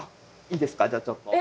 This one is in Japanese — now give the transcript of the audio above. いいですか？